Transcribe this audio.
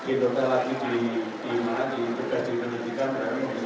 terduga setelah sekolah tanpa agresif